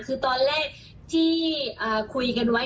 คือตอนแรกที่คุยกันไว้